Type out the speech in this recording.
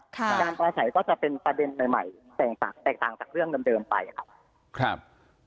การประสัยก็จะเป็นประเด็นใหม่แตกต่างจากเรื่องเดิมไปครับ